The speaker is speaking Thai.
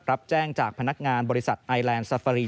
รับแจ้งจากพนักงานบริษัทไอแลนด์ซาฟารี